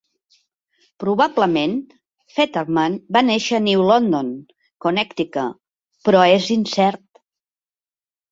Probablement, Fetterman va néixer a New London, Connecticut, però 'és incert.